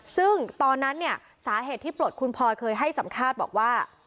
ซึ่งตอนนั้นเนี่ยสาเหตุที่ปลดคุณพลอยเคยให้สัมภาษณ์บอกว่า